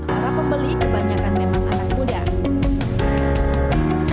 para pembeli kebanyakan memang anak muda